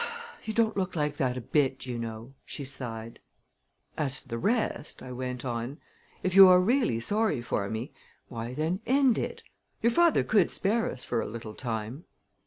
"You don't look like that a bit, you know!" she sighed. "As for the rest," I went on, "if you are really sorry for me why, then, end it! Your father could spare us for a little time."